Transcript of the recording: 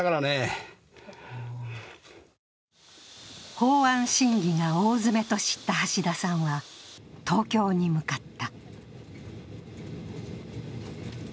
法案審議が大詰めと知った橋田さんは東京に向かった。